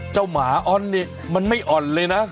เจ้าหมาอ้อนนี่มันไม่อ่อนเลยนะ